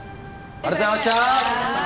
ありがとうございます。